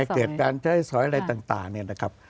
เกิดการใช้สอยอะไรต่างเนี่ยนะครับ